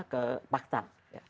tapi akan memilih